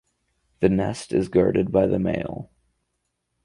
The nest is guarded by the male.